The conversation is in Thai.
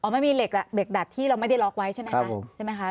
อ๋อไม่มีเหล็กเหล็กดัดที่เราไม่ได้ล็อกไว้ใช่ไหมครับครับผมใช่ไหมคะ